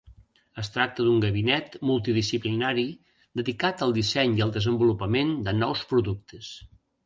Es tracta d'un gabinet multidisciplinari dedicat al disseny i al desenvolupament de nous productes.